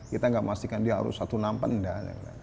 kita nggak memastikan dia harus satu enam tiga tiga